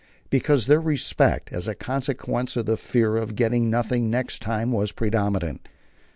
Because their respect, as a consequence of the fear of getting nothing next time, was predominant.